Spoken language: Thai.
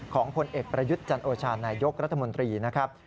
ผลเอกประยุทธ์จันโอชานายกรัฐมนตรีนะครับ